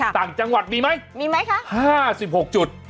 ต่างจังหวัดมีไหมมีไหมคะ๕๖จุด